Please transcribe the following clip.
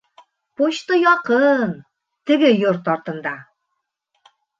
Почта яҡын, теге йорт артында